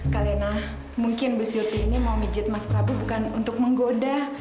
kak lena mungkin bu syuti ini mau mijit mas prabu bukan untuk menggoda